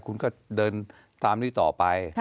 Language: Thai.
คุณก็เดินตามนี้ต่อไป